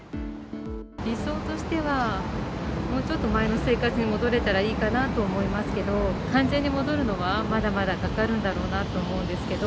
理想としては、もうちょっと前の生活に戻れたらいいかなと思いますけど、完全に戻るのは、まだまだかかるんだろうなと思うんですけど。